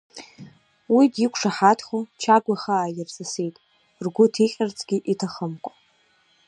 Уи диқәшаҳаҭхо, Чагә ихы ааирҵысит, ргәы ҭиҟьарцгьы иҭахымкәа.